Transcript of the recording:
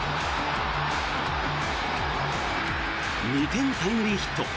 ２点タイムリーヒット。